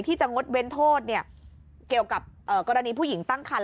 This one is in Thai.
ที่จะงดเว้นโทษเกี่ยวกับกรณีผู้หญิงตั้งคัน